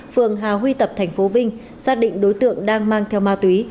phường hà huy tập tp vinh xác định đối tượng đang mang theo ma túy